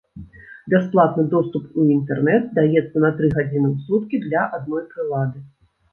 Бясплатны доступ у інтэрнэт даецца на тры гадзіны ў суткі для адной прылады.